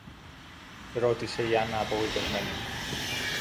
ρώτησε η Άννα απογοητεμένη.